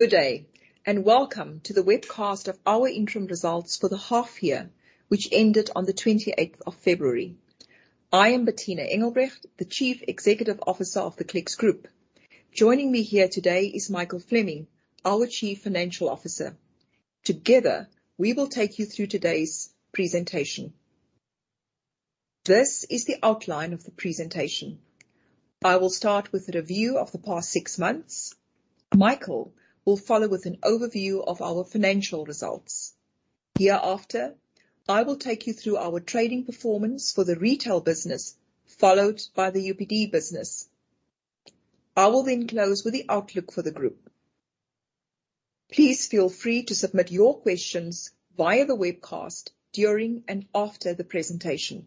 Good day, and welcome to the webcast of our interim results for the half-year, which ended on the twenty-eighth of February. I am Bertina Engelbrecht, the Chief Executive Officer of the Clicks Group. Joining me here today is Michael Fleming, our Chief Financial Officer. Together we will take you through today's presentation. This is the outline of the presentation. I will start with a review of the past six months. Michael will follow with an overview of our financial results. Hereafter, I will take you through our trading performance for the retail business, followed by the UPD business. I will then close with the outlook for the group. Please feel free to submit your questions via the webcast during and after the presentation.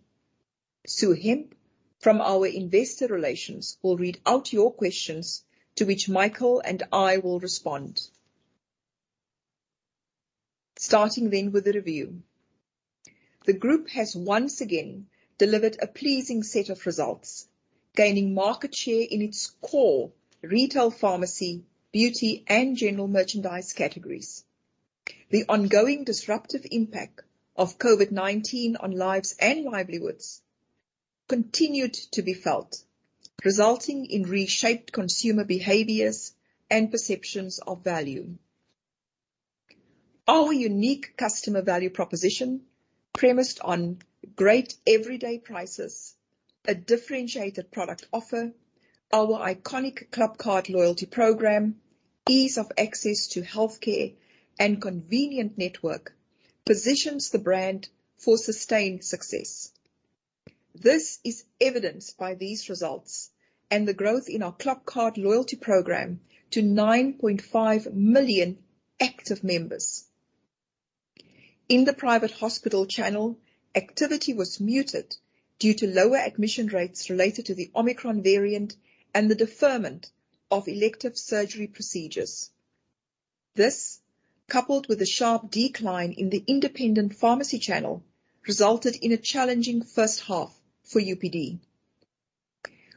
Sue Hemp from our investor relations will read out your questions, to which Michael and I will respond. Starting with the review. The group has once again delivered a pleasing set of results, gaining market share in its core retail pharmacy, beauty, and general merchandise categories. The ongoing disruptive impact of COVID-19 on lives and livelihoods continued to be felt, resulting in reshaped consumer behaviors and perceptions of value. Our unique customer value proposition premised on great everyday prices, a differentiated product offer, our iconic ClubCard loyalty program, ease of access to healthcare, and convenient network positions the brand for sustained success. This is evidenced by these results and the growth in our ClubCard loyalty program to 9.5 million active members. In the private hospital channel, activity was muted due to lower admission rates related to the Omicron variant and the deferment of elective surgery procedures. This, coupled with a sharp decline in the independent pharmacy channel, resulted in a challenging first half for UPD.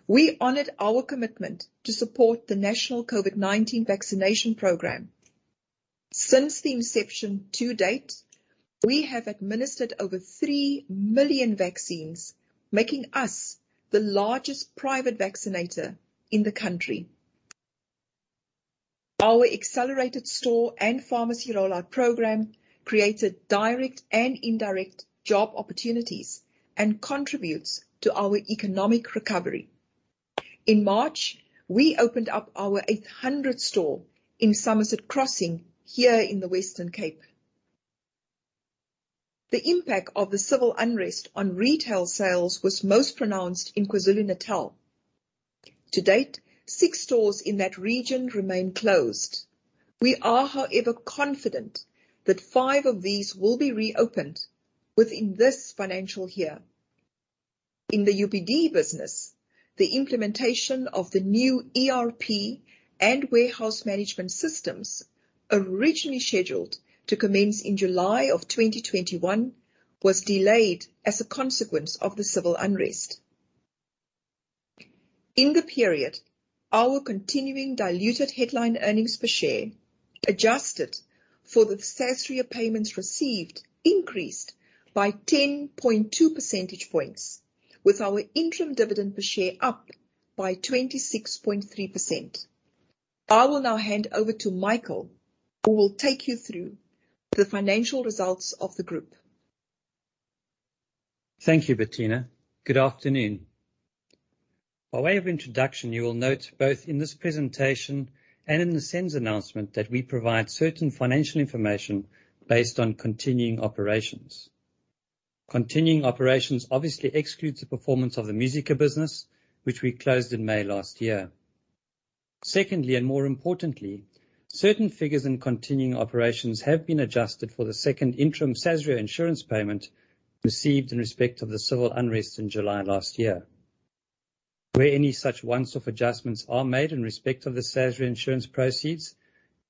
We honored our commitment to support the national COVID-19 vaccination program. Since the inception to date, we have administered over 3 million vaccines, making us the largest private vaccinator in the country. Our accelerated store and pharmacy rollout program created direct and indirect job opportunities and contributes to our economic recovery. In March, we opened up our 800th store in Somerset Crossing here in the Western Cape. The impact of the civil unrest on retail sales was most pronounced in KwaZulu-Natal. To date, 6 stores in that region remain closed. We are, however, confident that 5 of these will be reopened within this financial year. In the UPD business, the implementation of the new ERP and warehouse management systems originally scheduled to commence in July 2021 was delayed as a consequence of the civil unrest. In the period, our continuing diluted headline earnings per share, adjusted for the SASRIA payments received, increased by 10.2 percentage points, with our interim dividend per share up by 26.3%. I will now hand over to Michael who will take you through the financial results of the group. Thank you, Bertina. Good afternoon. By way of introduction, you will note both in this presentation and in the SENS announcement that we provide certain financial information based on continuing operations. Continuing operations obviously excludes the performance of the Musica business, which we closed in May last year. Secondly, and more importantly, certain figures in continuing operations have been adjusted for the second interim SASRIA insurance payment received in respect of the civil unrest in July last year. Where any such once-off adjustments are made in respect of the SASRIA insurance proceeds,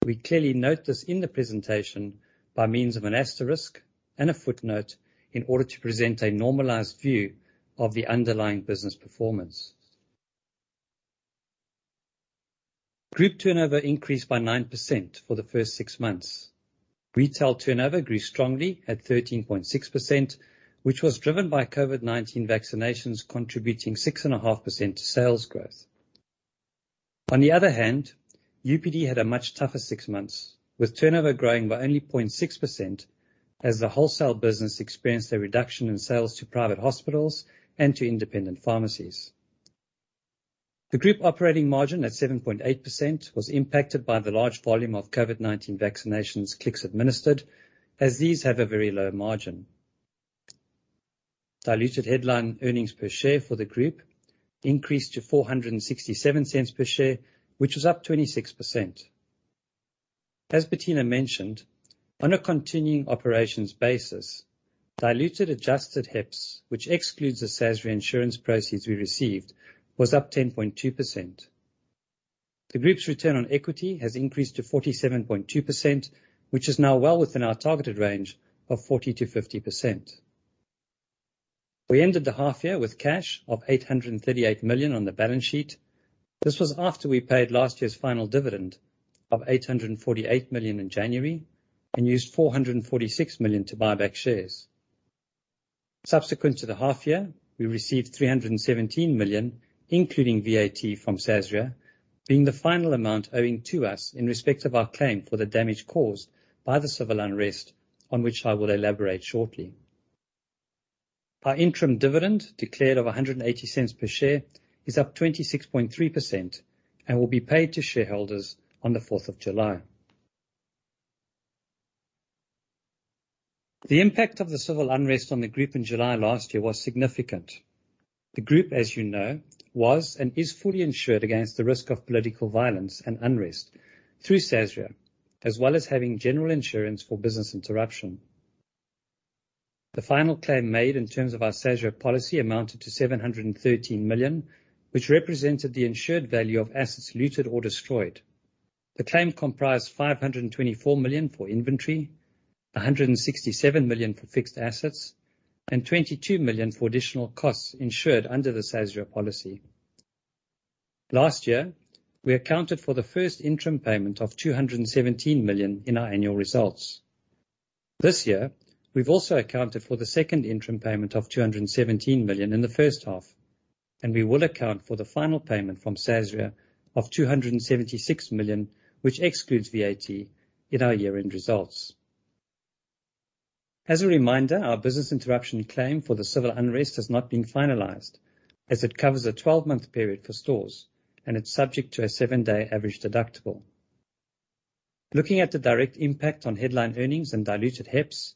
we clearly note this in the presentation by means of an asterisk and a footnote in order to present a normalized view of the underlying business performance. Group turnover increased by 9% for the first six months. Retail turnover grew strongly at 13.6%, which was driven by COVID-19 vaccinations contributing 6.5% to sales growth. On the other hand, UPD had a much tougher six months, with turnover growing by only 0.6% as the wholesale business experienced a reduction in sales to private hospitals and to independent pharmacies. The group operating margin at 7.8% was impacted by the large volume of COVID-19 vaccinations Clicks administered, as these have a very low-margin. Diluted headline earnings per share for the group increased to 4.67, which was up 26%. As Bertina mentioned, on a continuing operations basis, diluted adjusted HEPS, which excludes the SASRIA insurance proceeds we received, was up 10.2%. The group's return on equity has increased to 47.2%, which is now well within our targeted range of 40%-50%. We ended the half-year with cash of 838 million on the balance sheet. This was after we paid last year's final dividend of 848 million in January and used 446 million to buy back shares. Subsequent to the half-year, we received 317 million, including VAT from SASRIA, being the final amount owing to us in respect of our claim for the damage caused by the civil unrest, on which I will elaborate shortly. Our interim dividend declared of 1.80 per share is up 26.3% and will be paid to shareholders on the fourth of July. The impact of the civil unrest on the group in July last year was significant. The group, as you know, was and is fully insured against the risk of political violence and unrest through SASRIA, as well as having general insurance for business interruption. The final claim made in terms of our SASRIA policy amounted to 713 million, which represented the insured value of assets looted or destroyed. The claim comprised 524 million for inventory, 167 million for fixed assets, and 22 million for additional costs insured under the SASRIA policy. Last year, we accounted for the first interim payment of 217 million in our annual results. This year, we've also accounted for the second interim payment of 217 million in the first half, and we will account for the final payment from SASRIA of 276 million, which excludes VAT in our year-end results. As a reminder, our business interruption claim for the civil unrest has not been finalized as it covers a twelve-month period for stores, and it's subject to a seven-day average deductible. Looking at the direct impact on headline earnings and diluted HEPS,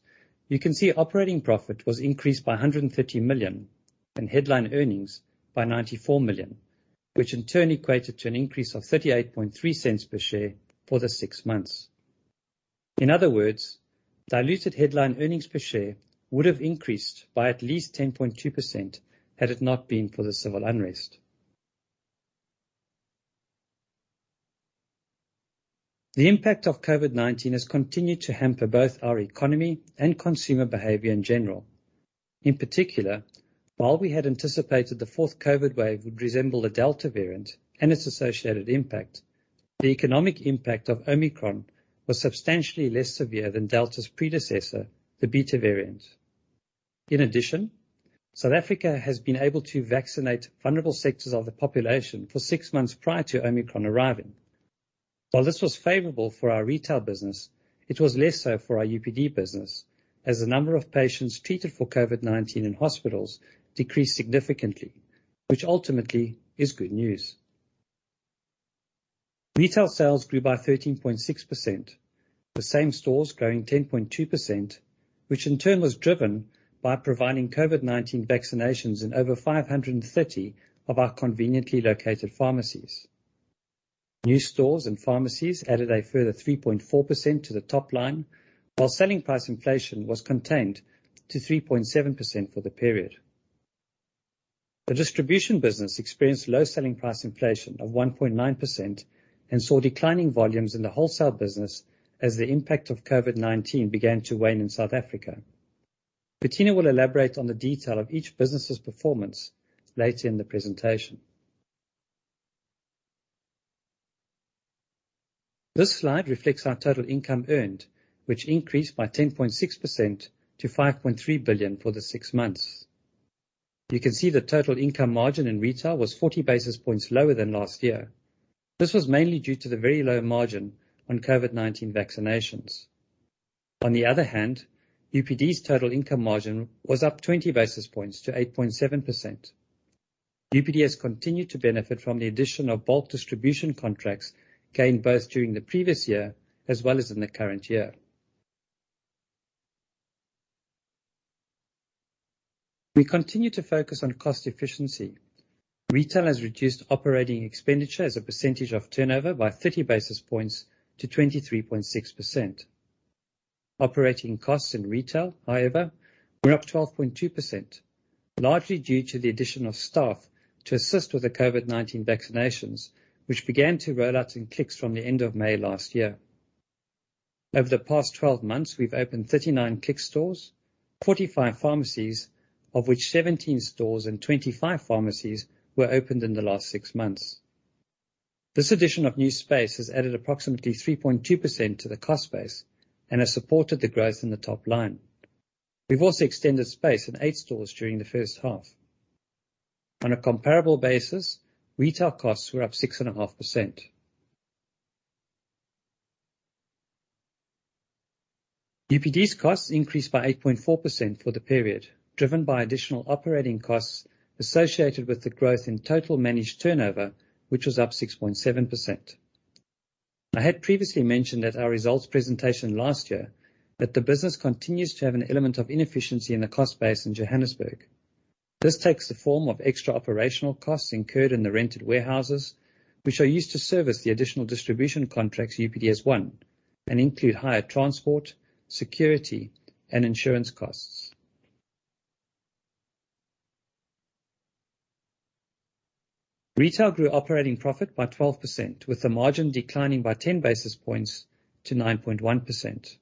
you can see operating profit was increased by 130 million, and headline earnings by 94 million, which in turn equated to an increase of 0.383 per share for the six months. In other words, diluted headline earnings per share would have increased by at least 10.2% had it not been for the civil unrest. The impact of COVID-19 has continued to hamper both our economy and consumer behavior in general. In particular, while we had anticipated the fourth COVID wave would resemble a Delta variant and its associated impact, the economic impact of Omicron was substantially less severe than Delta's predecessor, the Beta variant. In addition, South Africa has been able to vaccinate vulnerable sectors of the population for six months prior to Omicron arriving. While this was favorable for our retail business, it was less so for our UPD business as the number of patients treated for COVID-19 in hospitals decreased significantly, which ultimately is good news. Retail sales grew by 13.6%, with same stores growing 10.2%, which in turn was driven by providing COVID-19 vaccinations in over 530 of our conveniently located pharmacies. New stores and pharmacies added a further 3.4% to the top-line, while selling price inflation was contained to 3.7% for the period. The distribution business experienced low selling price inflation of 1.9% and saw declining volumes in the wholesale business as the impact of COVID-19 began to wane in South Africa. Bettina will elaborate on the detail of each business's performance later in the presentation. This slide reflects our total income earned, which increased by 10.6% to 5.3 billion for the six months. You can see the total income margin in retail was 40 basis points lower than last year. This was mainly due to the very low-margin on COVID-19 vaccinations. On the other hand, UPD's total income margin was up 20 basis points to 8.7%. UPD has continued to benefit from the addition of bulk distribution contracts gained both during the previous year as well as in the current year. We continue to focus on cost efficiency. Retail has reduced operating expenditure as a percentage of turnover by 30 basis points to 23.6%. Operating costs in retail, however, were up 12.2%, largely due to the addition of staff to assist with the COVID-19 vaccinations, which began to roll out in Clicks from the end of May last year. Over the past 12 months, we've opened 39 Clicks stores, 45 pharmacies, of which 17 stores and 25 pharmacies were opened in the last six months. This addition of new space has added approximately 3.2% to the cost base and has supported the growth in the top-line. We've also extended space in 8 stores during the first half. On a comparable basis, retail costs were up 6.5%. UPD's costs increased by 8.4% for the period, driven by additional operating costs associated with the growth in total managed turnover, which was up 6.7%. I had previously mentioned at our results presentation last year that the business continues to have an element of inefficiency in the cost base in Johannesburg. This takes the form of extra operational costs incurred in the rented warehouses, which are used to service the additional distribution contracts UPD has won and include higher transport, security, and insurance costs. Retail grew operating profit by 12%, with the margin declining by 10 basis points to 9.1%.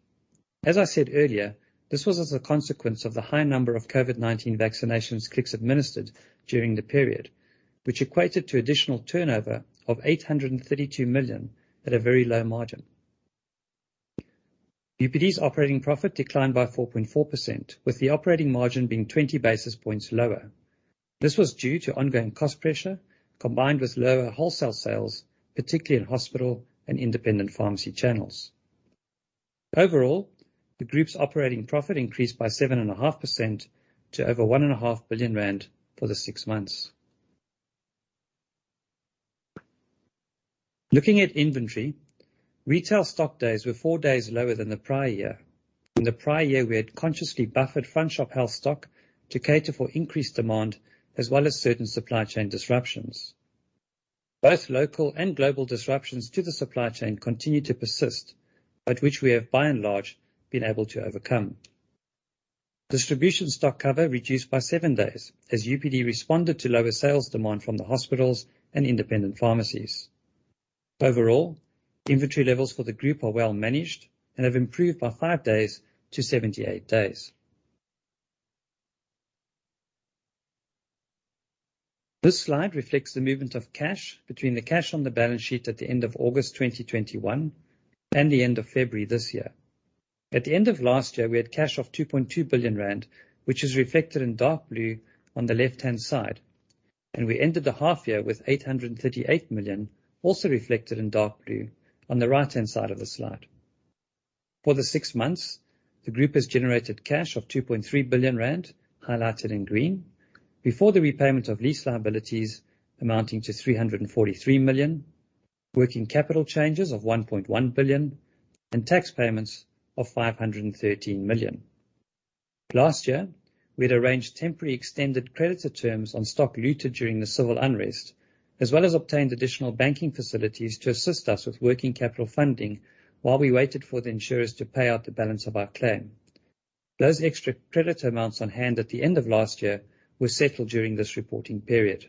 As I said earlier, this was as a consequence of the high number of COVID-19 vaccinations Clicks administered during the period, which equated to additional turnover of 832 million at a very low margin. UPD's operating profit declined by 4.4%, with the operating margin being 20 basis points lower. This was due to ongoing cost pressure, combined with lower wholesale sales, particularly in hospital and independent pharmacy channels. Overall, the group's operating profit increased by 7.5% to over 1.5 billion rand for the six months. Looking at inventory, retail stock days were four days lower than the prior year. In the prior year, we had consciously buffered front shop health stock to cater for increased demand as well as certain supply chain disruptions. Both local and global disruptions to the supply chain continue to persist, but which we have by and large been able to overcome. Distribution stock cover reduced by 7 days as UPD responded to lower sales demand from the hospitals and independent pharmacies. Overall, inventory levels for the group are well-managed and have improved by 5 days to 78 days. This slide reflects the movement of cash between the cash on the balance sheet at the end of August 2021 and the end of February this year. At the end of last year, we had cash of 2.2 billion rand, which is reflected in dark blue on the left-hand side, and we ended the half-year with 838 million, also reflected in dark blue on the right-hand side of the slide. For the six months, the group has generated cash of 2.3 billion rand, highlighted in green, before the repayment of lease liabilities amounting to 343 million, working capital changes of 1.1 billion, and tax payments of 513 million. Last year, we had arranged temporary extended creditor terms on stock looted during the civil unrest, as well as obtained additional banking facilities to assist us with working capital funding while we waited for the insurers to pay out the balance of our claim. Those extra creditor amounts on hand at the end of last year were settled during this reporting period.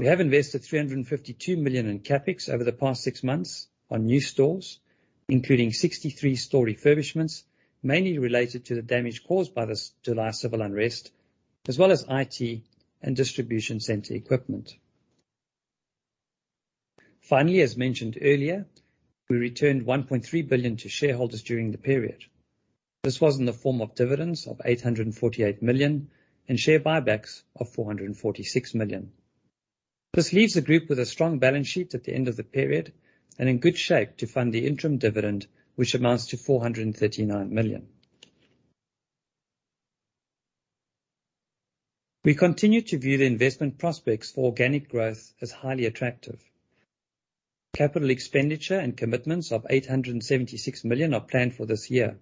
We have invested 352 million in CapEx over the past six months on new stores, including 63 store refurbishments, mainly related to the damage caused by this July civil unrest, as well as IT and distribution center equipment. Finally, as mentioned earlier, we returned 1.3 billion to shareholders during the period. This was in the form of dividends of 848 million and share buybacks of 446 million. This leaves the group with a strong balance sheet at the end of the period and in good shape to fund the interim dividend, which amounts to 439 million. We continue to view the investment prospects for organic growth as highly attractive. Capital expenditure and commitments of 876 million are planned for this year.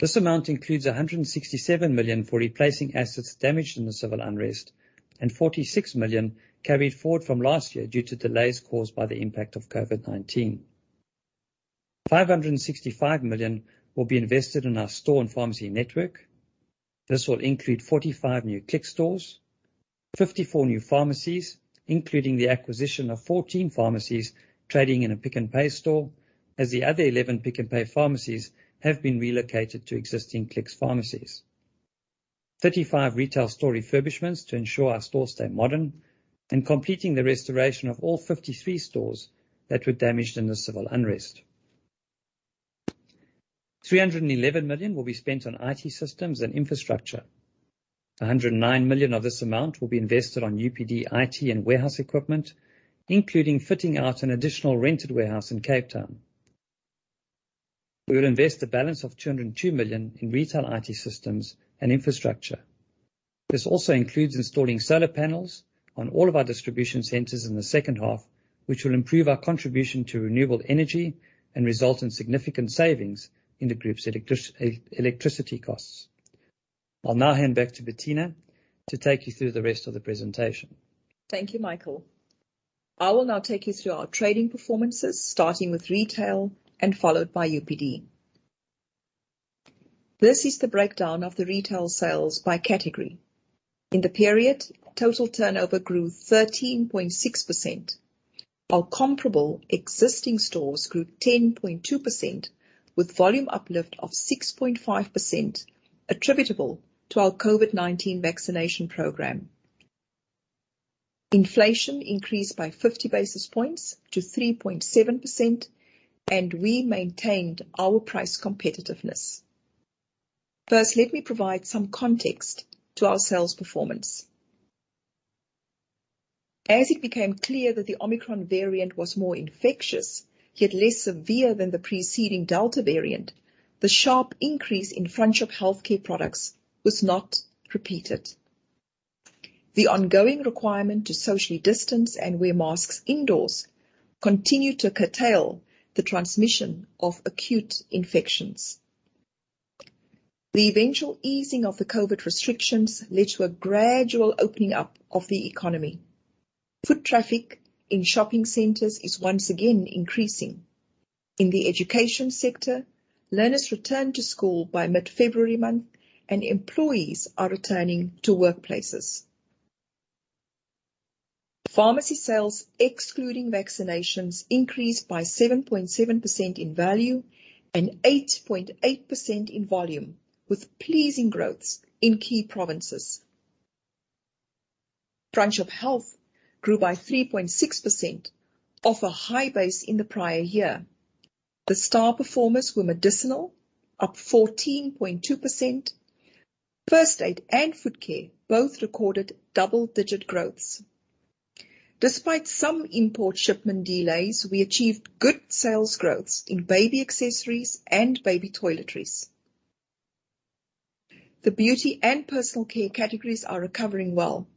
This amount includes 167 million for replacing assets damaged in the civil unrest and 46 million carried forward from last year due to delays caused by the impact of COVID-19. 565 million will be invested in our store and pharmacy network. This will include 45 new Clicks stores, 54 new pharmacies, including the acquisition of 14 pharmacies trading in a Pick n Pay store as the other 11 Pick n Pay pharmacies have been relocated to existing Clicks pharmacies. 35 retail store refurbishments to ensure our stores stay modern and completing the restoration of all 53 stores that were damaged in the civil unrest. 311 million will be spent on IT systems and infrastructure. 109 million of this amount will be invested on UPD IT and warehouse equipment, including fitting out an additional rented warehouse in Cape Town. We will invest the balance of 202 million in retail IT systems and infrastructure. This also includes installing solar panels on all of our distribution centers in the second half, which will improve our contribution to renewable energy and result in significant savings in the group's electricity costs. I'll now hand back to Bertina to take you through the rest of the presentation. Thank you, Michael. I will now take you through our trading performances, starting with retail and followed by UPD. This is the breakdown of the retail sales by category. In the period, total turnover grew 13.6%, while comparable existing stores grew 10.2% with volume uplift of 6.5% attributable to our COVID-19 vaccination program. Inflation increased by 50 basis points to 3.7%, and we maintained our price competitiveness. First, let me provide some context to our sales performance. As it became clear that the Omicron variant was more infectious yet less severe than the preceding Delta variant, the sharp increase in front shop healthcare products was not repeated. The ongoing requirement to socially distance and wear masks indoors continued to curtail the transmission of acute infections. The eventual easing of the COVID restrictions led to a gradual opening up of the economy. Foot traffic in shopping centers is once again increasing. In the education sector, learners return to school by mid-February month and employees are returning to workplaces. Pharmacy sales, excluding vaccinations, increased by 7.7% in value and 8.8% in volume, with pleasing growths in key provinces. Front shop health grew by 3.6% off a high base in the prior year. The star performers were medicinal, up 14.2%. First aid and foot care both recorded double-digit growths. Despite some import shipment delays, we achieved good sales growths in baby accessories and baby toiletries. The beauty and personal care categories are recovering well.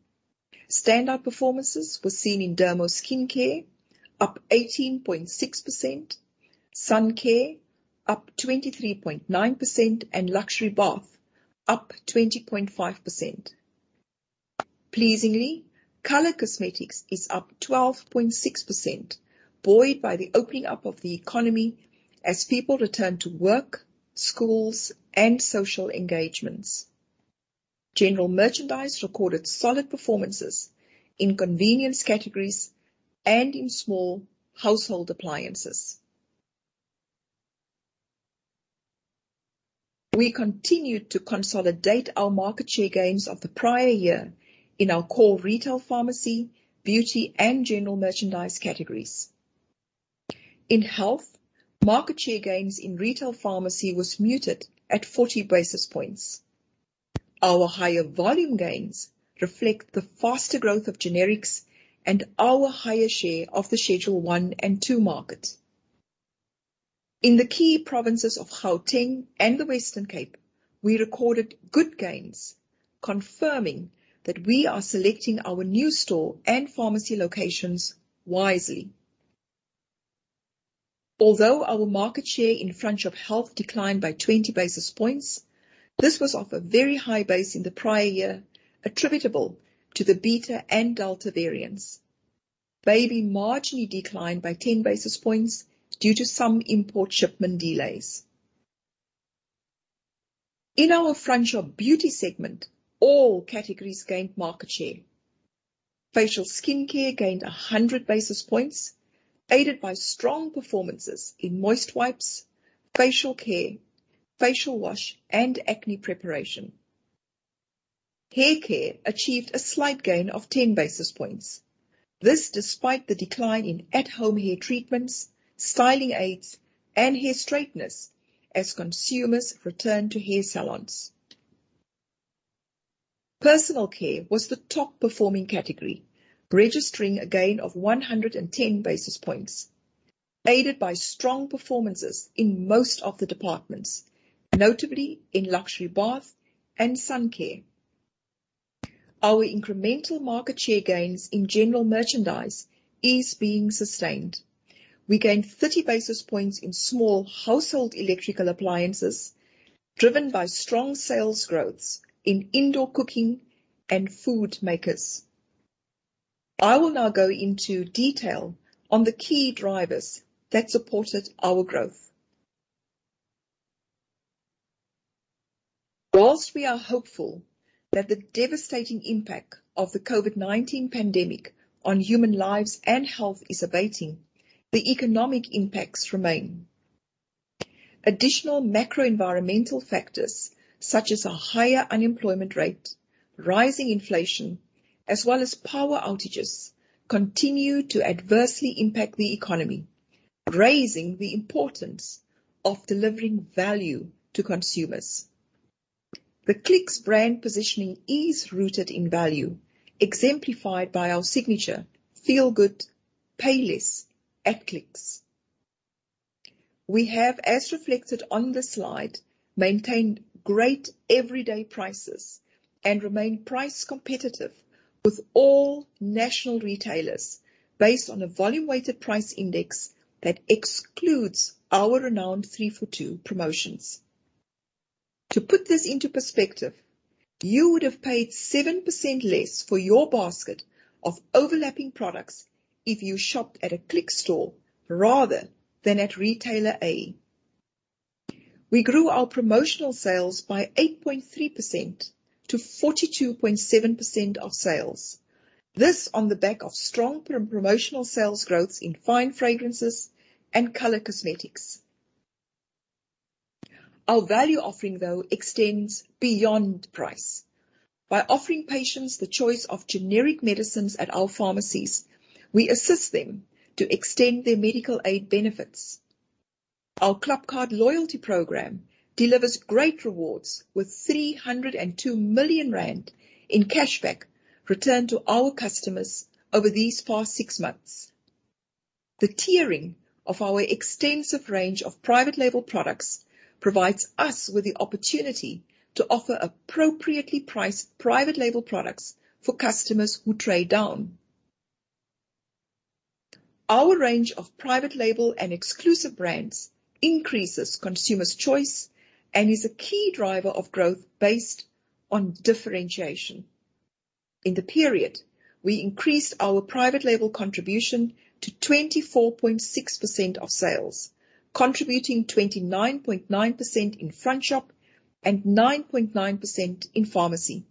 Standout performances were seen in derma skincare, up 18.6%, sun care, up 23.9%, and luxury bath, up 20.5%. Pleasingly, color cosmetics is up 12.6%, buoyed by the opening up of the economy as people return to work, schools, and social engagements. General merchandise recorded solid performances in convenience categories and in small household appliances. We continued to consolidate our market share gains of the prior year in our core retail pharmacy, beauty, and general merchandise categories. In health, market share gains in retail pharmacy was muted at 40 basis points. Our higher volume gains reflect the faster growth of generics and our higher share of the Schedule 1 and 2 market. In the key provinces of Gauteng and the Western Cape, we recorded good gains, confirming that we are selecting our new store and pharmacy locations wisely. Although our market share in front shop health declined by 20 basis points, this was off a very high base in the prior year, attributable to the Beta and Delta variants. Baby marginally declined by 10 basis points due to some import shipment delays. In our front shop beauty segment, all categories gained market share. Facial skincare gained 100 basis points, aided by strong performances in moist wipes, facial care, facial wash, and acne preparation. Hair care achieved a slight gain of 10 basis points. This despite the decline in at-home hair treatments, styling aids and hair straighteners as consumers return to hair salons. Personal care was the top-performing category, registering a gain of 110 basis points, aided by strong performances in most of the departments, notably in luxury bath and sun care. Our incremental market share gains in general merchandise is being sustained. We gained 30 basis points in small household electrical appliances, driven by strong sales growths in indoor cooking and food makers. I will now go into detail on the key drivers that supported our growth. While we are hopeful that the devastating impact of the COVID-19 pandemic on human lives and health is abating, the economic impacts remain. Additional macro-environmental factors such as a higher unemployment rate, rising inflation, as well as power outages, continue to adversely impact the economy, raising the importance of delivering value to consumers. The Clicks brand positioning is rooted in value, exemplified by our signature "Feel good, pay less at Clicks." We have, as reflected on this slide, maintained great everyday prices and remain price competitive with all national retailers based on a volume-weighted price index that excludes our renowned three for two promotions. To put this into perspective, you would have paid 7% less for your basket of overlapping products if you shopped at a Clicks store rather than at Retailer A. We grew our promotional sales by 8.3% to 42.7% of sales. This on the back of strong promotional sales growth in fine fragrances and color cosmetics. Our value offering, though, extends beyond price. By offering patients the choice of generic medicines at our pharmacies, we assist them to extend their medical aid benefits. Our ClubCard loyalty program delivers great rewards with 302 million rand in cashback returned to our customers over these past six months. The tiering of our extensive range of private label products provides us with the opportunity to offer appropriately priced private label products for customers who trade down. Our range of private label and exclusive brands increases consumers' choice and is a key driver of growth based on differentiation. In the period, we increased our private label contribution to 24.6% of sales, contributing 29.9% in front shop and 9.9% in pharmacy.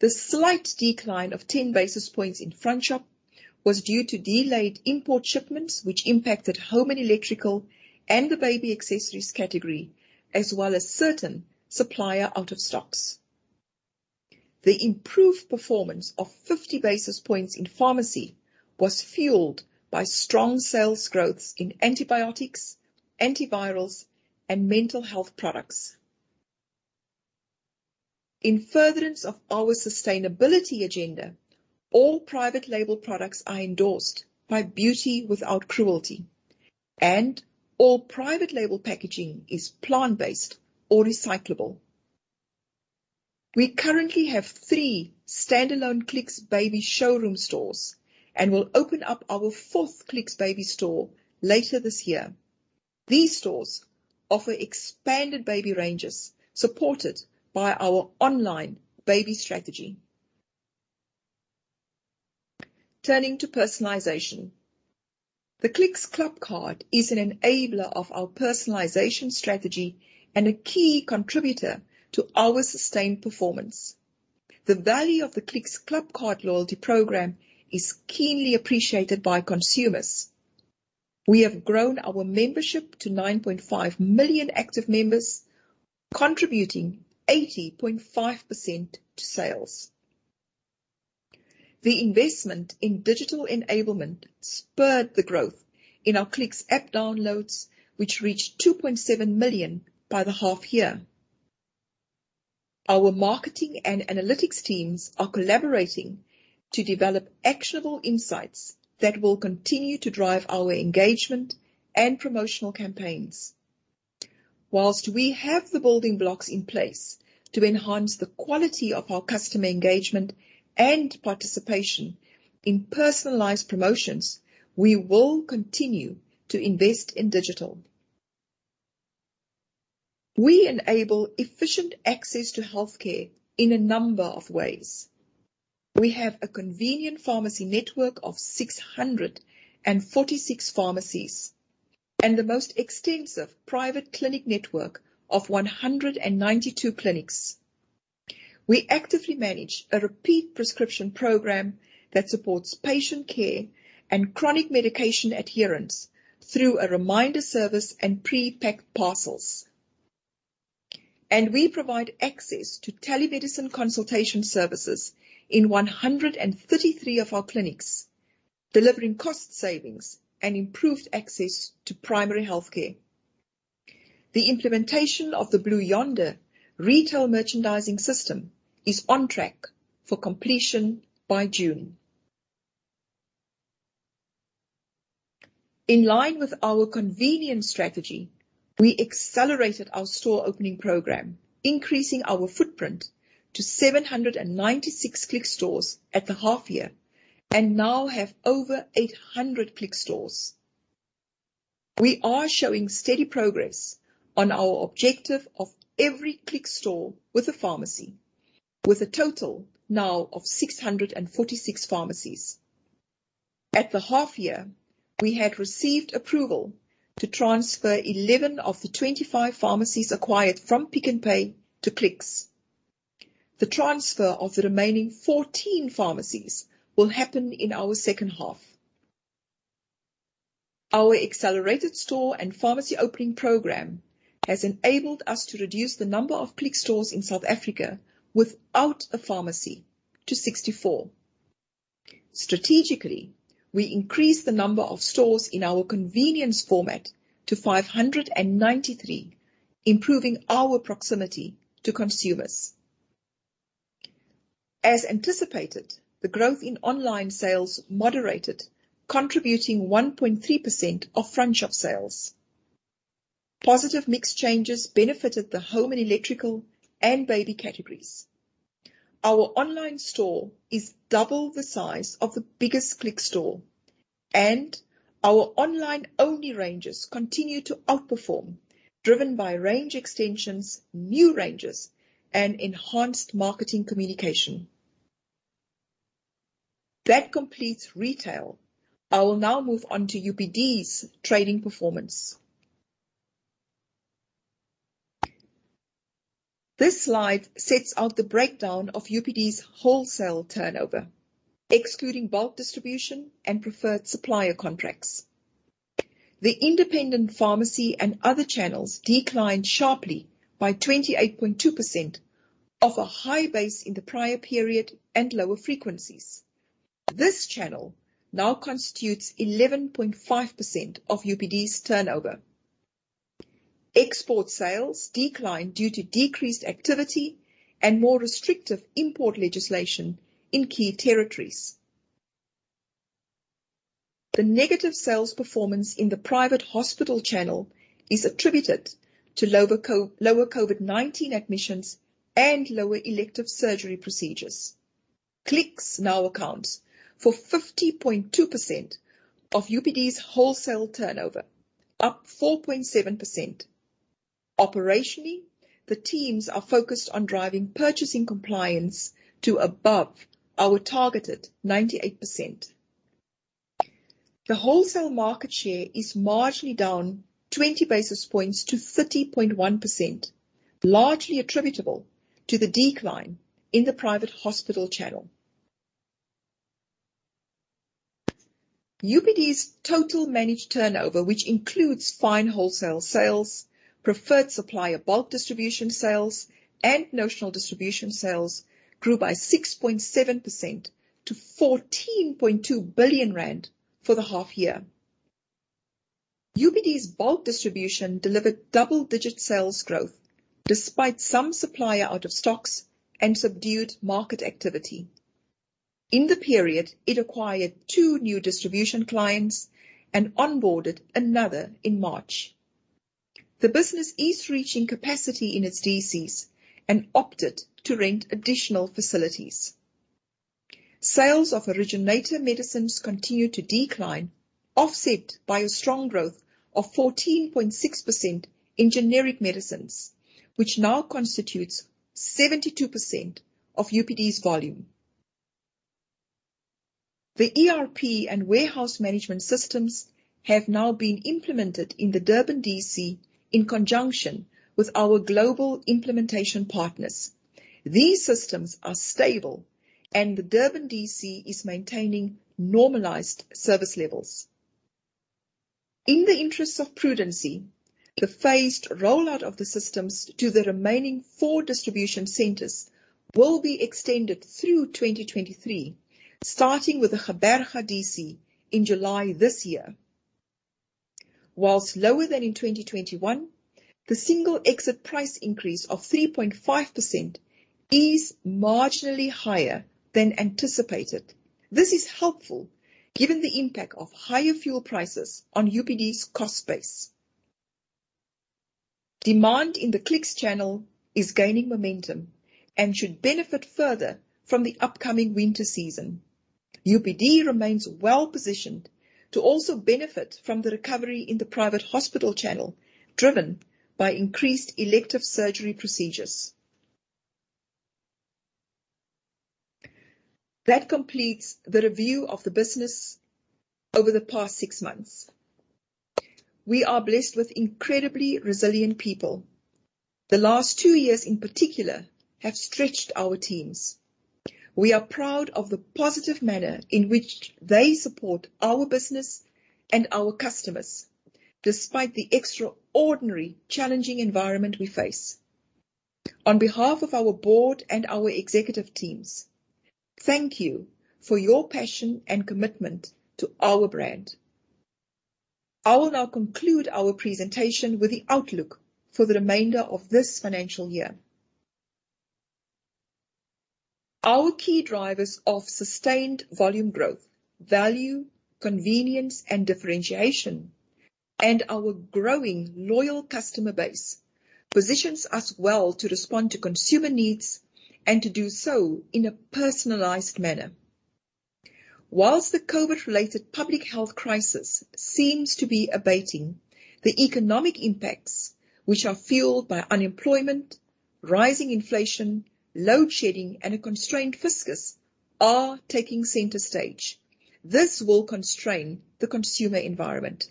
The slight decline of 10 basis points in front shop was due to delayed import shipments, which impacted home and electrical and the baby accessories category, as well as certain supplier out of stocks. The improved performance of 50 basis points in pharmacy was fueled by strong sales growths in antibiotics, antivirals, and mental health products. In furtherance of our sustainability agenda, all private label products are endorsed by Beauty Without Cruelty, and all private label packaging is plant-based or recyclable. We currently have three standalone Clicks Baby showroom stores and will open up our fourth Clicks Baby store later this year. These stores offer expanded baby ranges supported by our online baby strategy. Turning to personalization. The Clicks ClubCard is an enabler of our personalization strategy and a key contributor to our sustained performance. The value of the Clicks ClubCard loyalty program is keenly appreciated by consumers. We have grown our membership to 9.5 million active members, contributing 80.5% to sales. The investment in digital enablement spurred the growth in our Clicks app downloads, which reached 2.7 million by the half-year. Our marketing and analytics teams are collaborating to develop actionable insights that will continue to drive our engagement and promotional campaigns. While we have the building blocks in place to enhance the quality of our customer engagement and participation in personalized promotions, we will continue to invest in digital. We enable efficient access to healthcare in a number of ways. We have a convenient pharmacy network of 646 pharmacies and the most extensive private clinic network of 192 clinics. We actively manage a repeat prescription program that supports patient care and chronic medication adherence through a reminder service and pre-packed parcels. We provide access to telemedicine consultation services in 133 of our clinics, delivering cost savings and improved access to primary healthcare. The implementation of the Blue Yonder retail merchandising system is on track for completion by June. In line with our convenience strategy, we accelerated our store opening program, increasing our footprint to 796 Clicks stores at the half-year, and now have over 800 Clicks stores. We are showing steady progress on our objective of every Clicks store with a pharmacy, with a total now of 646 pharmacies. At the half-year, we had received approval to transfer 11 of the 25 pharmacies acquired from Pick n Pay to Clicks. The transfer of the remaining 14 pharmacies will happen in our second half. Our accelerated store and pharmacy opening program has enabled us to reduce the number of Clicks stores in South Africa without a pharmacy to 64. Strategically, we increased the number of stores in our convenience format to 593, improving our proximity to consumers. As anticipated, the growth in online sales moderated, contributing 1.3% of front shop sales. Positive mix changes benefited the home and electrical and baby categories. Our online store is double the size of the biggest Clicks store, and our online-only ranges continue to outperform, driven by range extensions, new ranges, and enhanced marketing communication. That completes retail. I will now move on to UPD's trading performance. This slide sets out the breakdown of UPD's wholesale turnover, excluding Bulk Distribution and preferred supplier contracts. The independent pharmacy and other channels declined sharply by 28.2% off a high base in the prior period and lower-frequencies. This channel now constitutes 11.5% of UPD's turnover. Export sales declined due to decreased activity and more restrictive import legislation in key territories. The negative sales performance in the private hospital channel is attributed to lower COVID-19 admissions and lower elective surgery procedures. Clicks now accounts for 50.2% of UPD's wholesale turnover, up 4.7%. Operationally, the teams are focused on driving purchasing compliance to above our targeted 98%. The wholesale market share is marginally down 20 basis points to 30.1%, largely attributable to the decline in the private hospital channel. UPD's total managed turnover, which includes Fine Wholesale sales, preferred supplier Bulk Distribution sales, and Notional Distribution sales, grew by 6.7% to 14.2 billion rand for the half-year. UPD's Bulk Distribution delivered double-digit sales growth despite some supplier out of stocks and subdued market activity. In the period, it acquired two new distribution clients and onboarded another in March. The business is reaching capacity in its DCs and opted to rent additional facilities. Sales of originator medicines continue to decline, offset by a strong growth of 14.6% in generic medicines, which now constitutes 72% of UPD's volume. The ERP and warehouse management systems have now been implemented in the Durban DC in conjunction with our global implementation partners. These systems are stable, and the Durban DC is maintaining normalized service levels. In the interest of prudency, the phased rollout of the systems to the remaining four distribution centers will be extended through 2023, starting with the Gqeberha DC in July this year. While lower than in 2021, the single exit price increase of 3.5% is marginally higher than anticipated. This is helpful given the impact of higher fuel prices on UPD's cost base. Demand in the Clicks channel is gaining momentum and should benefit further from the upcoming winter season. UPD remains well-positioned to also benefit from the recovery in the private hospital channel, driven by increased elective surgery procedures. That completes the review of the business over the past six months. We are blessed with incredibly resilient people. The last two years, in particular, have stretched our teams. We are proud of the positive manner in which they support our business and our customers despite the extraordinarily challenging environment we face. On behalf of our board and our executive teams, thank you for your passion and commitment to our brand. I will now conclude our presentation with the outlook for the remainder of this financial year. Our key drivers of sustained volume growth, value, convenience, and differentiation, and our growing loyal customer base positions us well to respond to consumer needs and to do so in a personalized manner. While the COVID-related public health crisis seems to be abating, the economic impacts, which are fueled by unemployment, rising inflation, load shedding, and a constrained fiscus, are taking center stage. This will constrain the consumer environment.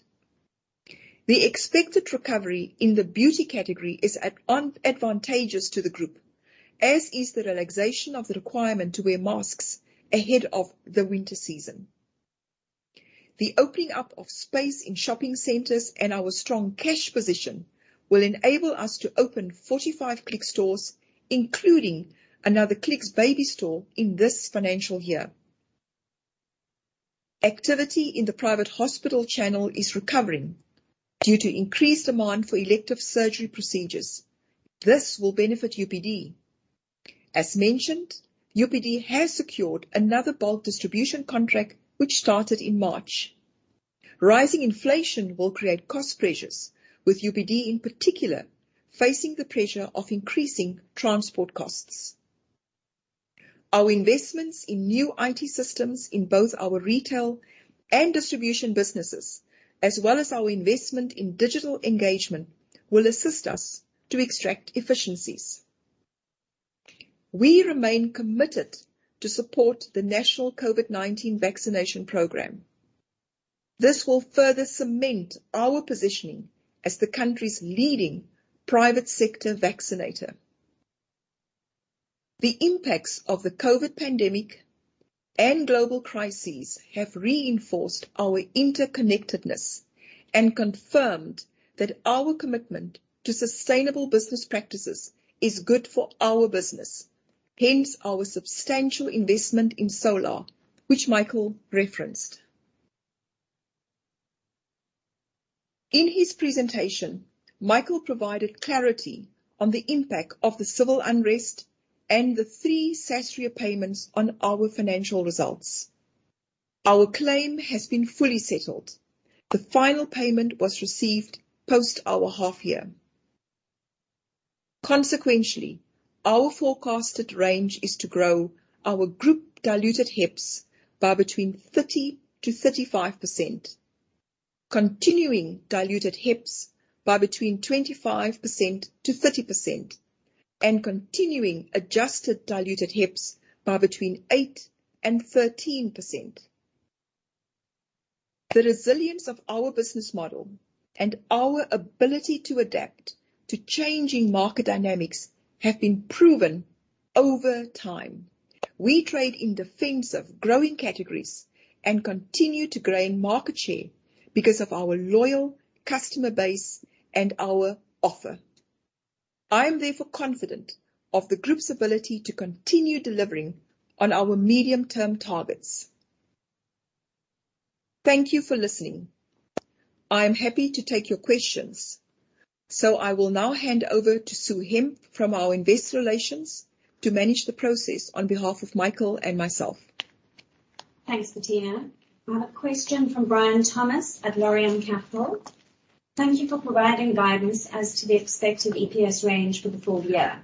The expected recovery in the beauty category is advantageous to the group, as is the relaxation of the requirement to wear masks ahead of the winter season. The opening up of space in shopping centers and our strong cash position will enable us to open 45 Clicks stores, including another Clicks Baby store in this financial year. Activity in the private hospital channel is recovering due to increased demand for elective surgery procedures. This will benefit UPD. As mentioned, UPD has secured another bulk distribution contract, which started in March. Rising inflation will create cost pressures with UPD, in particular, facing the pressure of increasing transport costs. Our investments in new IT systems in both our retail and distribution businesses, as well as our investment in digital engagement, will assist us to extract efficiencies. We remain committed to support the national COVID-19 vaccination program. This will further cement our positioning as the country's leading private sector vaccinator. The impacts of the COVID pandemic and global crises have reinforced our interconnectedness and confirmed that our commitment to sustainable business practices is good for our business, hence our substantial investment in solar, which Michael referenced. In his presentation, Michael provided clarity on the impact of the civil unrest and the 3 SASRIA payments on our financial results. Our claim has been fully settled. The final payment was received post our half-year. Consequently, our forecasted range is to grow our group diluted EPS by 30%-35%. Continuing diluted EPS by 25%-30%, and continuing adjusted diluted EPS by 8%-13%. The resilience of our business model and our ability to adapt to changing market dynamics have been proven over time. We trade in defensive growing categories and continue to gain market share because of our loyal customer base and our offer. I am therefore confident of the Group's ability to continue delivering on our medium-term targets. Thank you for listening. I am happy to take your questions, so I will now hand over to Sue Hemp from our investor relations to manage the process on behalf of Michael and myself. Thanks, Bertina. I have a question from Brian Thomas at Laurium Capital. Thank you for providing guidance as to the expected EPS range for the full-year.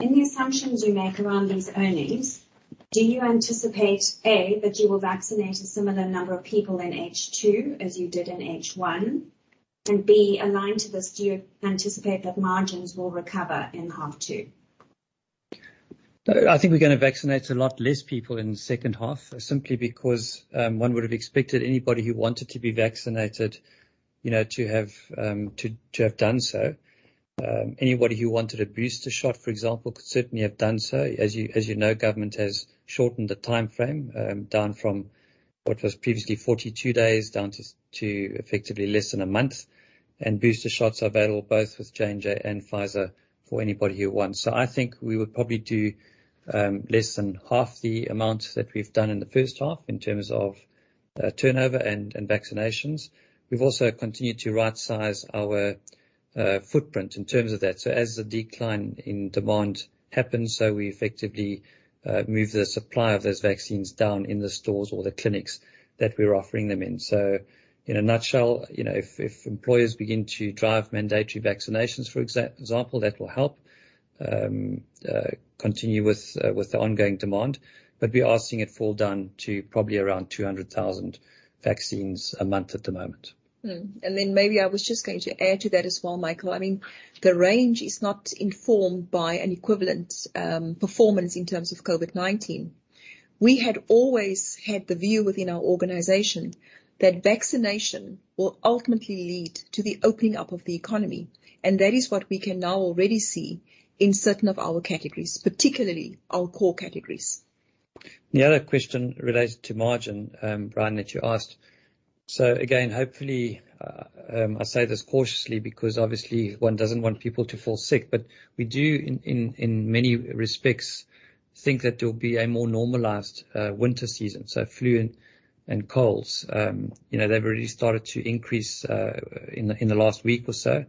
In the assumptions you make around these earnings, do you anticipate, A, that you will vaccinate a similar number of people in H2 as you did in H1? B, aligned to this, do you anticipate that margins will recover in H2 too? No, I think we're gonna vaccinate a lot less people in the second half, simply because one would have expected anybody who wanted to be vaccinated, you know, to have done so. Anybody who wanted a booster shot, for example, could certainly have done so. As you know, government has shortened the timeframe down from what was previously 42 days to effectively less than a month. Booster shots are available both with J&J and Pfizer for anybody who wants. I think we would probably do less than half the amount that we've done in the first half in terms of turnover and vaccinations. We've also continued to right-size our footprint in terms of that. As the decline in demand happens, we effectively move the supply of those vaccines down in the stores or the clinics that we're offering them in. In a nutshell, you know, if employers begin to drive mandatory vaccinations, for example, that will help continue with the ongoing demand. We are seeing it fall down to probably around 200,000 vaccines a month at the moment. Maybe I was just going to add to that as well, Michael. I mean, the range is not informed by an equivalent performance in terms of COVID-19. We had always had the view within our organization that vaccination will ultimately lead to the opening up of the economy, and that is what we can now already see in certain of our categories, particularly our core categories. The other question related to margin, Brian, that you asked. Again, hopefully, I say this cautiously because obviously one doesn't want people to fall sick, but we do in many respects think that there'll be a more normalized winter season, so flu and colds. You know, they've already started to increase in the last week or so.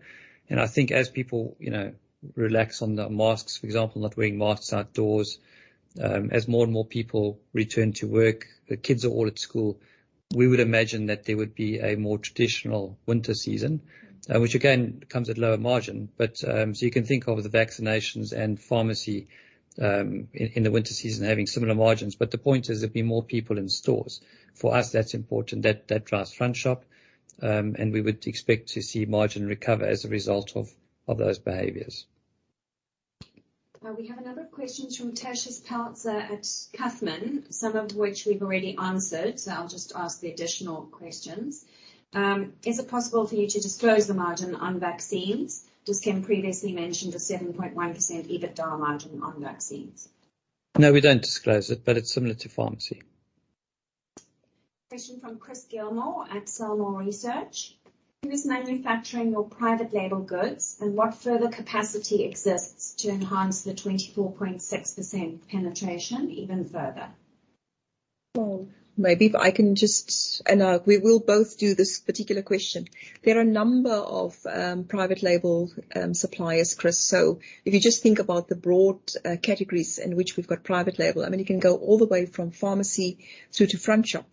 I think as people, you know, relax on the masks, for example, not wearing masks outdoors, as more and more people return to work, the kids are all at school, we would imagine that there would be a more traditional winter season, which again comes at lower-margin. You can think of the vaccinations and pharmacy in the winter season having similar margins, but the point is there'll be more people in stores. For us, that's important. That drives front shop. We would expect to see margin recover as a result of those behaviors. We have a number of questions from Teshia Peltzer at Cutman, some of which we've already answered. I'll just ask the additional questions. Is it possible for you to disclose the margin on vaccines? Does Kim previously mention the 7.1% EBITDA margin on vaccines? No, we don't disclose it, but it's similar to pharmacy. Question from Chris Gilmore at Sell More Research. Who is manufacturing your private label goods? What further capacity exists to enhance the 24.6% penetration even further? We will both do this particular question. There are a number of private label suppliers, Chris. If you just think about the broad categories in which we've got private label, I mean, you can go all the way from pharmacy through to front shop.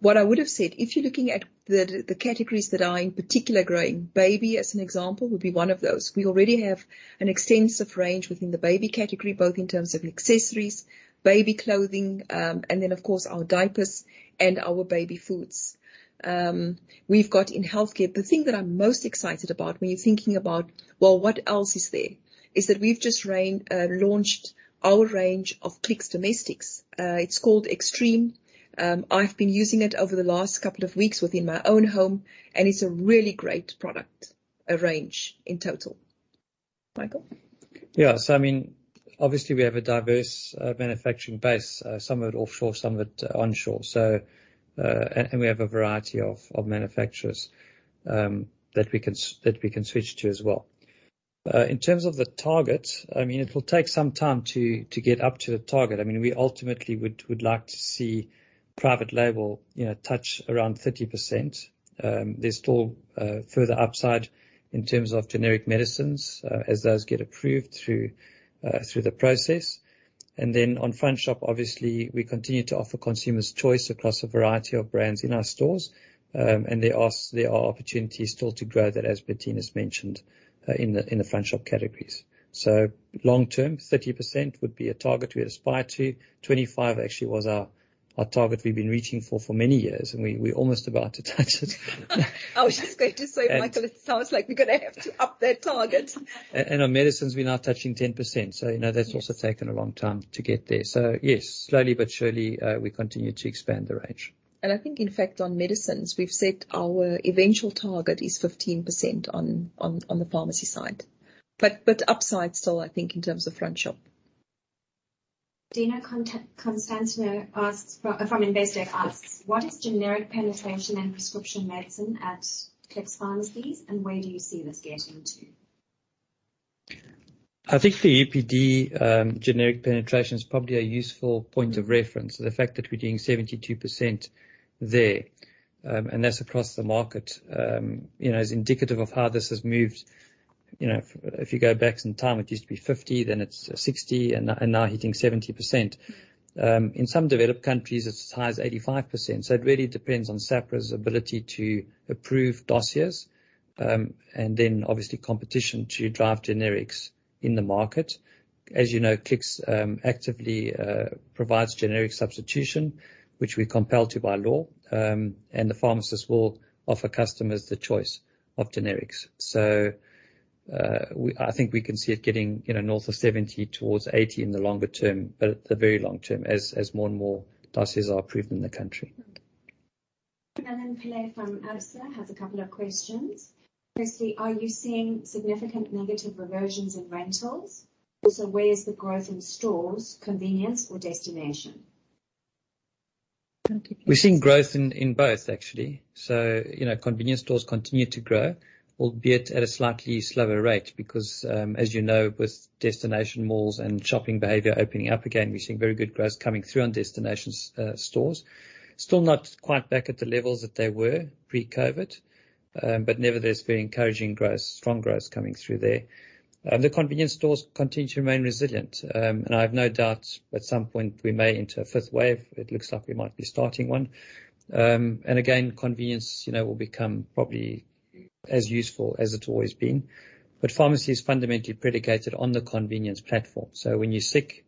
What I would have said, if you're looking at the categories that are in particular growing, baby, as an example, would be one of those. We already have an extensive range within the baby category, both in terms of accessories, baby clothing, and then, of course, our diapers and our baby foods. We've got in healthcare, the thing that I'm most excited about when you're thinking about, well, what else is there, is that we've just launched our range of Clicks Domestics. It's called Extreme. I've been using it over the last couple of weeks within my own home, and it's a really great product range in total. Michael? Yeah. I mean, obviously, we have a diverse manufacturing base, some of it offshore, some of it onshore. We have a variety of manufacturers that we can switch to as well. In terms of the target, I mean, it will take some time to get up to the target. I mean, we ultimately would like to see private label, you know, touch around 30%. There's still further upside in terms of generic medicines as those get approved through the process. On frontshop, obviously, we continue to offer consumers choice across a variety of brands in our stores. There are opportunities still to grow that, as Bertina's mentioned, in the frontshop categories. Long-term, 30% would be a target we aspire to. 25 actually was our target we've been reaching for many years, and we almost about to touch it. I was just going to say, Michael. And- It sounds like we're gonna have to up that target. On medicines we're now touching 10%, so you know. Yes That's also taken a long time to get there. Yes, slowly but surely, we continue to expand the range. I think in fact on medicines, we've set our eventual target is 15% on the pharmacy side, but upside still I think in terms of frontshop. Dina Constancio from Investec asks, "What is generic penetration and prescription medicine at Clicks Pharmacies, and where do you see this getting to? I think the UPD generic penetration is probably a useful point of reference. The fact that we're doing 72% there, and that's across the market, you know, is indicative of how this has moved. You know, if you go back some time, it used to be 50%, then it's 60% and now hitting 70%. In some developed countries it's as high as 85%, so it really depends on SAHPRA's ability to approve dossiers, and then obviously competition to drive generics in the market. As you know, Clicks actively provides generic substitution, which we're compelled to by law, and the pharmacist will offer customers the choice of generics. So, we...I think we can see it getting, you know, north of 70 towards 80 in the longer-term, but the very long-term as more and more dossiers are approved in the country. Alan Pillay from Absa has a couple of questions. Firstly, are you seeing significant negative reversions in rentals? Also, where is the growth in stores, convenience or destination? We're seeing growth in both actually. You know, convenience stores continue to grow, albeit at a slightly slower-rate because, as you know, with destination malls and shopping behavior opening up again, we're seeing very good growth coming through on destinations, stores. Still not quite back at the levels that they were pre-COVID, but nevertheless very encouraging growth, strong growth coming through there. The convenience stores continue to remain resilient. I have no doubt at some point we may enter a fifth wave. It looks like we might be starting one. Again, convenience, you know, will become probably as useful as it's always been. Pharmacy is fundamentally predicated on the convenience platform. When you're sick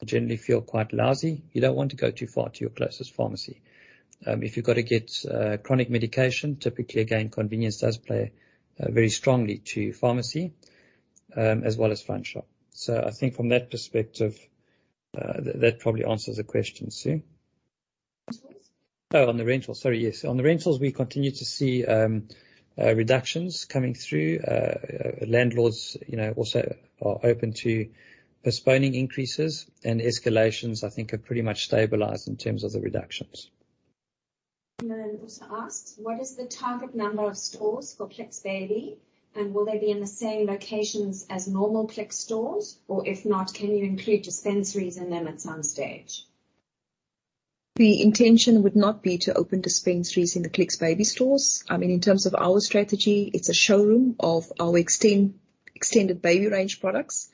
or generally feel quite lousy, you don't want to go too far to your closest pharmacy. If you've got to get chronic medication, typically again, convenience does play very strongly to pharmacy, as well as frontshop. I think from that perspective, that probably answers the question, Sue. Rentals? Oh, on the rentals. Sorry, yes. On the rentals, we continue to see reductions coming through. Landlords, you know, also are open to postponing increases and escalations I think are pretty much stabilized in terms of the reductions. Also asks, "What is the target number of stores for Clicks Baby, and will they be in the same locations as normal Clicks stores? Or if not, can you include dispensaries in them at some stage? The intention would not be to open dispensaries in the Clicks Baby stores. I mean, in terms of our strategy, it's a showroom of our extended baby range products.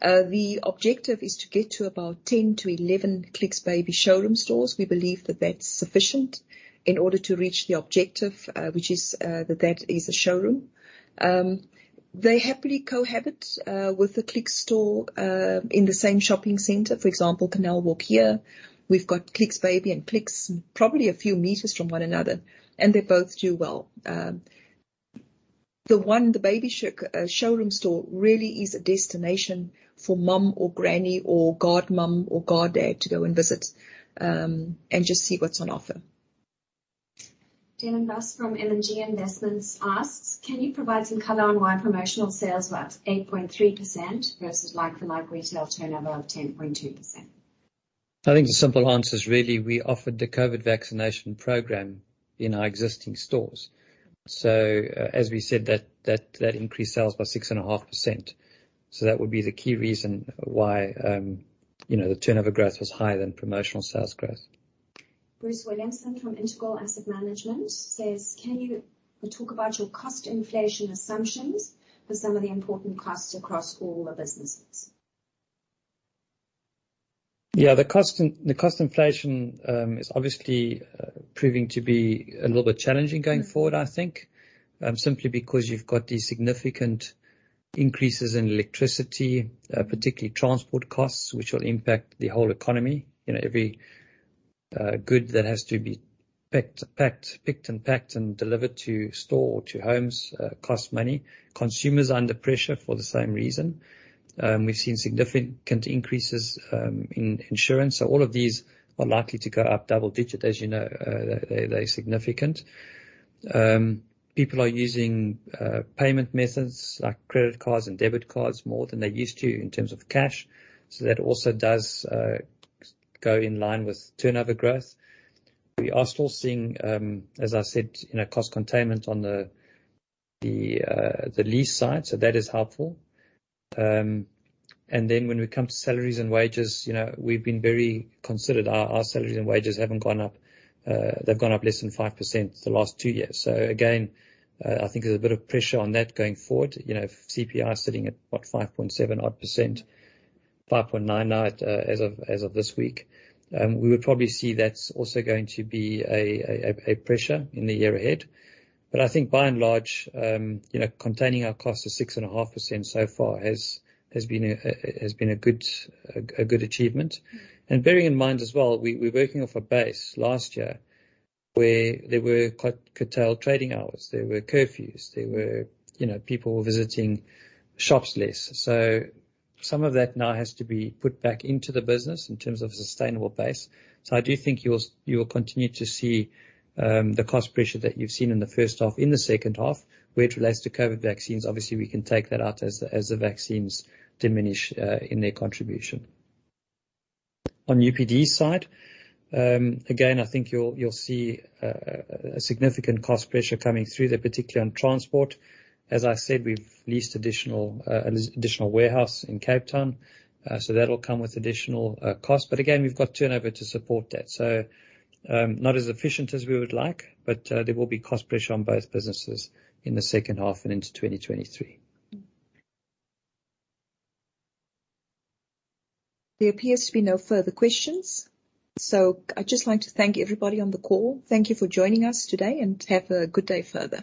The objective is to get to about 10-11 Clicks Baby showroom stores. We believe that that's sufficient in order to reach the objective, which is that is a showroom. They happily cohabit with the Clicks store in the same shopping center. For example, Canal Walk here, we've got Clicks Baby and Clicks probably a few meters from one another, and they both do well. The baby showroom store really is a destination for mom or granny or godmom or goddad to go and visit, and just see what's on offer. Dylan Bass from LMG Investments asks, "Can you provide some color on why promotional sales were up 8.3% versus like-for-like retail turnover of 10.2%? I think the simple answer is really we offered the COVID vaccination program in our existing stores. As we said, that increased sales by 6.5%. That would be the key reason why, you know, the turnover growth was higher than promotional sales growth. Bruce Williamson from Integral Asset Management says, "Can you talk about your cost inflation assumptions for some of the important costs across all the businesses? Yeah. The cost inflation is obviously proving to be a little bit challenging going forward, I think, simply because you've got these significant increases in electricity, particularly transport costs, which will impact the whole economy. You know, every good that has to be picked and packed and delivered to store or to homes cost money. Consumers are under pressure for the same reason. We've seen significant increases in insurance. All of these are likely to go up double-digit. As you know, they're significant. People are using payment methods like credit cards and debit cards more than they used to in terms of cash, so that also does go in line with turnover growth. We are still seeing, as I said, you know, cost containment on the lease side, so that is helpful. Then when we come to salaries and wages, you know, we've been very conservative. Our salaries and wages haven't gone up. They've gone up less than 5% the last 2 years. Again, I think there's a bit of pressure on that going forward. You know, CPI sitting at, what, 5.7 odd %, 5.9 odd, as of this week. We would probably see that's also going to be a pressure in the year ahead. I think by and large, you know, containing our costs of 6.5% so far has been a good achievement. Bearing in mind as well, we're working off a base last year where there were quite curtailed trading hours. There were curfews, you know, people were visiting shops less. Some of that now has to be put back into the business in terms of a sustainable base. I do think you will continue to see the cost pressure that you've seen in the first half, in the second half. Where it relates to COVID vaccines, obviously, we can take that out as the vaccines diminish in their contribution. On UPD's side, again, I think you'll see a significant cost pressure coming through there, particularly on transport. As I said, we've leased an additional warehouse in Cape Town, so that'll come with additional cost. Again, we've got turnover to support that. Not as efficient as we would like, but there will be cost pressure on both businesses in the second half and into 2023. There appears to be no further questions, so I'd just like to thank everybody on the call. Thank you for joining us today, and have a good day further.